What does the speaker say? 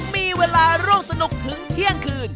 มีเวลาร่วมสนุกถึงเที่ยงคืน